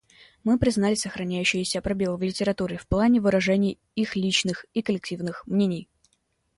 Мы признали сохраняющиеся пробелы в литературе в плане выражения их личных и коллективных мнений.